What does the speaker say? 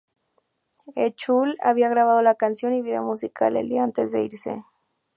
Heechul había grabado la canción y vídeo musical el día antes de irse.